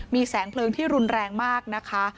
มีแสงเพลิงที่รุนแรงมากนะคะ